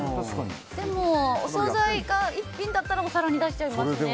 でも、お総菜が１品ならお皿に出しちゃいますね。